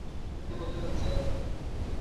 আমরা কি করতে যাচ্ছি?